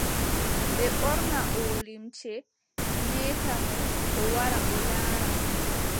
Ɓe ɓorna oo limce, meeta mo, o wara o laara.